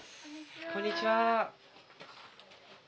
こんにちは。